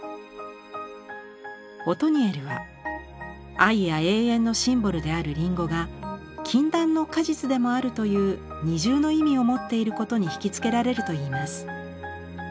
オトニエルは愛や永遠のシンボルであるりんごが禁断の果実でもあるという二重の意味を持っていることに引き付けられると言います。